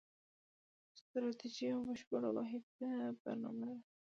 ستراتیژي یوه بشپړه واحده برنامه ده.